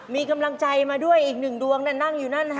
มีกำลังใจมาด้วยอีกหนึ่งดวงนั่งอยู่นั่น